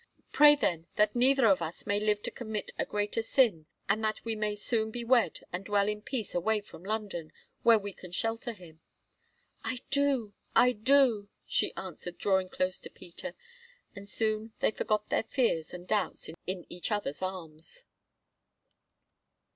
Pray then that neither of us may live to commit a greater sin, and that we may soon be wed and dwell in peace away from London, where we can shelter him." "I do—I do," she answered, drawing close to Peter, and soon they forgot their fears and doubts in each other's arms.